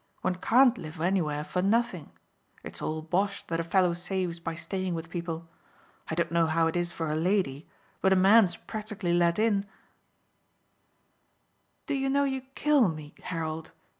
One can't live anywhere for nothing it's all bosh that a fellow saves by staying with people. I don't know how it is for a lady, but a man's practically let in " "Do you know you kill me, Harold?"